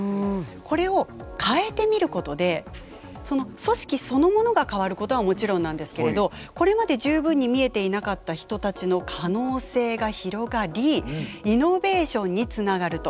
これを変えてみることでその組織そのものが変わることはもちろんなんですけれどこれまで十分に見えていなかった人たちの可能性が広がりイノベーションにつながると。